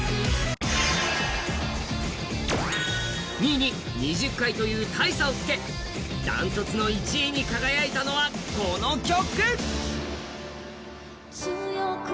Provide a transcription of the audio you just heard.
２位に２０回という大差をつけダントツの１位に輝いたのはこの曲。